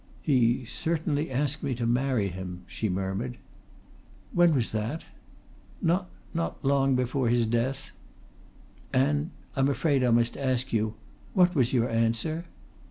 "He certainly asked me to marry him," she murmured. "When was that?" "Not not long before his death." "And I'm afraid I must ask you what was your answer?"